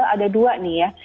ada dua nih ya